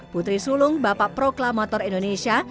putri sulung bapak proklamator indonesia